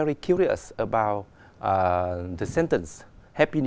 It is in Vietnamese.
những điều thú vị